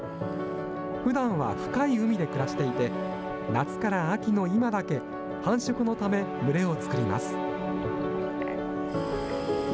ふだんは深い海で暮らしていて、夏から秋の今だけ、繁殖のため、群れを作ります。